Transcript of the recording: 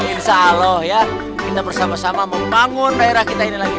insya allah ya kita bersama sama membangun daerah kita ini lagi